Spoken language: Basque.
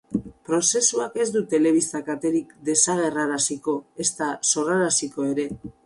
Prozesuak ez du telebista katerik desagerraraziko, ezta sorraraziko ere.